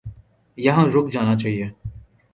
یہاں رک جانا چاہیے۔